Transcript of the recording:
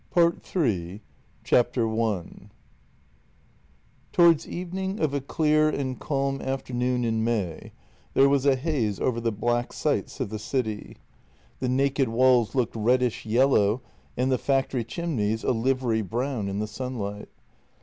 ... PART THREE I T OWARDS evening of a clear and calm afternoon in May there was a haze over the black sites of the city; the naked walls looked reddish yellow and the factory chimneys a livery brown in the sunlight.